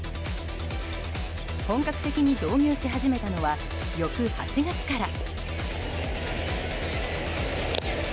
本格的に導入し始めたのは翌８月から。